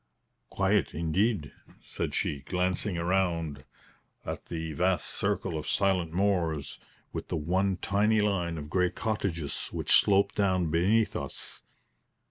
"Quiet, indeed!" said she, glancing round at the vast circle of silent moors, with the one tiny line of grey cottages which sloped down beneath us.